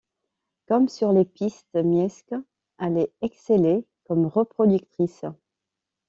Comme sur les pistes, Miesque allait exceller comme reproductrice.